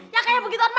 yang kayak begitu